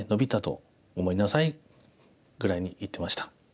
ぐらいに言ってました。